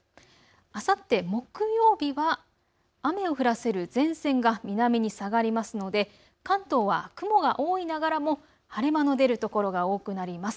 あさって木曜日は雨を降らせる前線が南に下がりますので、関東は雲が多いながらも晴れ間の出る所が多くなります。